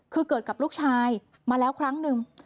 คือเกิดกับลูกชายมาแล้วครั้งหนึ่ง